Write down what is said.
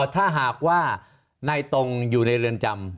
ถ้าหากว่าในตรงอยู่ในเรือนจำ